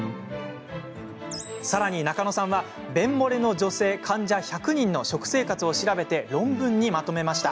さらに中野さんは便もれの女性患者１００人の食生活を調べて論文にまとめました。